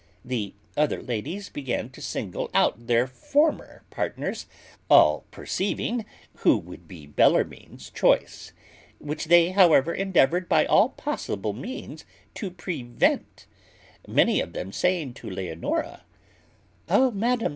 The other ladies began to single out their former partners, all perceiving who would be Bellarmine's choice; which they however endeavoured, by all possible means, to prevent: many of them saying to Leonora, "O madam!